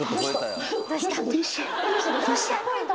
どうした？